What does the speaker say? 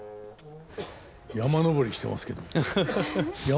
山登りしてますけど。